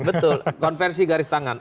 betul konversi garis tangan